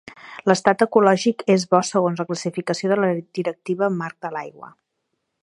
L'estat ecològic és Bo segons la classificació de la Directiva Marc de l'Aigua.